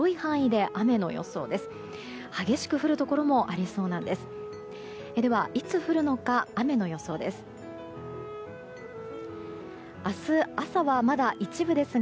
では、いつ降るのか雨の予想です。